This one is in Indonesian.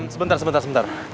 sebentar sebentar sebentar